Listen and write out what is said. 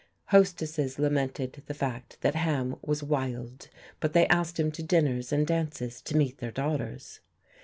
Hostesses lamented the fact that Ham was "wild," but they asked him to dinners and dances to meet their daughters.